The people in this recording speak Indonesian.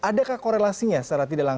adakah korelasinya secara tidak langsung